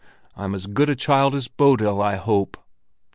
I'm as good a child as Bodil, I hope."